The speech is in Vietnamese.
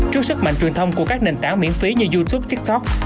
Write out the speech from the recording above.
trước sức mạnh truyền thông của các nền tảng miễn phí như youtube tiktok